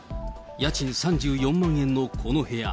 家賃３４万円のこの部屋。